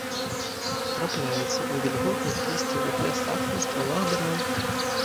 Трапляецца ў вільготных лісцевых лясах на ствалах дрэў.